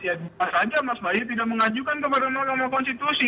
ya bisa saja mas bayu tidak mengajukan kepada mahkamah konstitusi